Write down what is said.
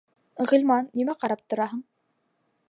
Ғилман, нимә ҡарап тораһың?